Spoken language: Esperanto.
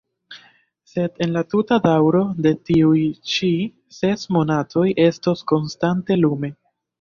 Sed en la tuta daŭro de tiuj ĉi ses monatoj estos konstante lume.